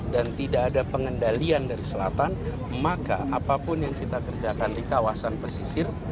tidak ada pengendalian dari selatan maka apapun yang kita kerjakan di kawasan pesisir